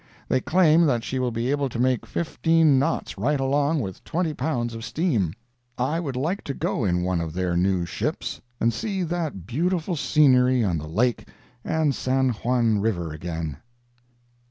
They claim that she will be able to make fifteen knots right along with twenty pounds of steam. I would like to go in one of their new ships and see that beautiful scenery on the Lake and San Juan River again.